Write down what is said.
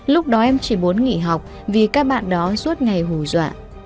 lúc đó em chỉ muốn nghỉ học vì các bạn đó suốt ngày hù dọa